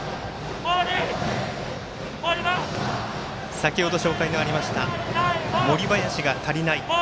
先ほど紹介がありました「森林が足りない」。